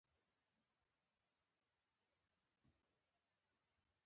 یوشانوالی ښه او توپیرونه بد ګڼل کیږي.